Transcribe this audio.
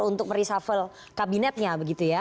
untuk mereshuffle kabinetnya begitu ya